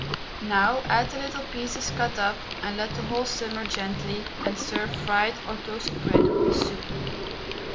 Now add the little pieces cut up, and let the whole simmer gently, and serve fried or toasted bread with the soup.